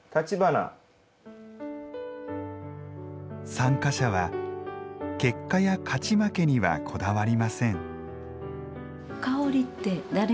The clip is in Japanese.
参加者は結果や勝ち負けにはこだわりません。